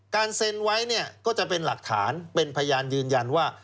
เซ็นไว้เนี่ยก็จะเป็นหลักฐานเป็นพยานยืนยันว่า